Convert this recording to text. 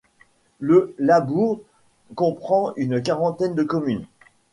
Le Labourd comprend une quarantaine de communes.